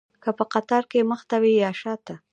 که په قطار کې مخته وي یا شاته.